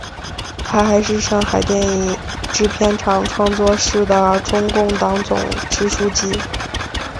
她还是上海电影制片厂创作室的中共党总支书记。